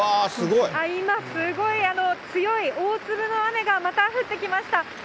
今、すごい強い、大粒の雨がまた、降ってきました。